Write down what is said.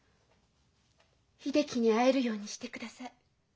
秀樹に会えるようにしてください。